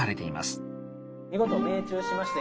見事命中しまして。